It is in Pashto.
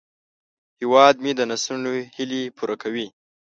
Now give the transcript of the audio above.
هیواد مې د نسلونو هیلې پوره کوي